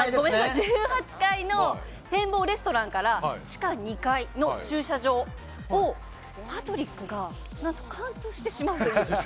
１８階の展望レストランから地下２階の駐車場をパトリックがなんと貫通してしまうという。